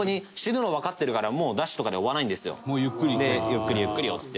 ゆっくりゆっくり追って。